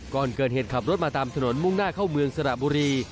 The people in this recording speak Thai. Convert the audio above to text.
ก่อนเกิดเหตุขับรถมาตามถนนมุ่งหน้าเข้าเมืองสระบุรี